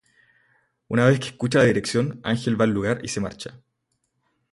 Una vez que escucha la dirección Ángel va al lugar y se marcha.